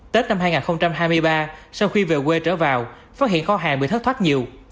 tết năm hai nghìn hai mươi ba sau khi về quê trở vào phát hiện kho hàng bị thất thoát nhiều